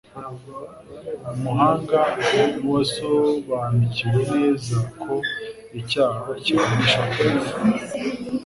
umuhanga nuwasobanukiwe neza ko icyaha kiganisha kurupfu